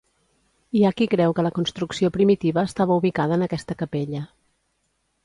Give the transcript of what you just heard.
Hi ha qui creu que la construcció primitiva estava ubicada en aquesta capella.